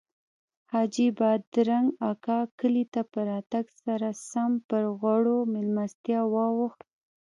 حاجي بادرنګ اکا کلي ته په راتګ سره سم پر غوړو میلمستیاوو واوښت.